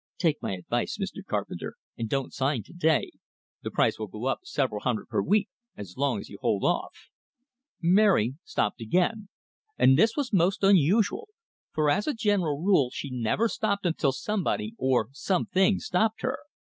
Take my advice, Mr. Carpenter, and don't sign today the price will go up several hundred per week as long as you hold off." Mary stopped again; and this was most unusual, for as a general rule she never stopped until somebody or something stopped her.